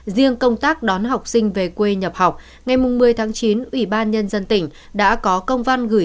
riêng công tác đón học sinh về quê nhập học ngày một mươi tháng chín ủy ban nhân dân tỉnh đã có công văn gửi